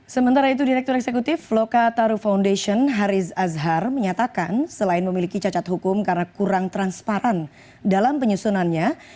sementara itu direktur eksekutif lokataru foundation haris azhar menyatakan selain memiliki cacat hukum karena kurang transparan dalam penyusunannya